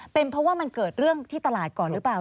เป็นเพราะว่ามันเกิดเรื่องที่ตลาดก่อนหรือเปล่า